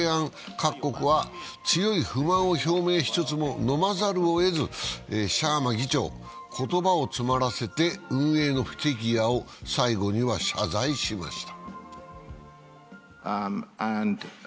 各国は強い不満を表明してつつも飲まざるをえずシャーマ議長、言葉を詰まらせて運営の不手際を最後には謝罪しました。